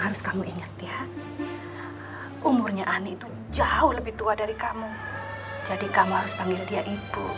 harus kamu ingat ya umurnya ani itu jauh lebih tua dari kamu jadi kamu harus panggil dia itu